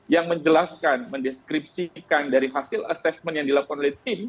yang menjelaskan mendeskripsikan dari hasil assessment yang dilakukan oleh tim